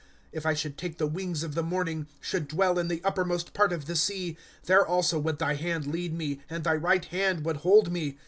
' If I should take the wirjgs of the morning, Should dwell in the uttej:mo8t part of the sea ;" There also would thy hand lead me, And thy right hand would hold me.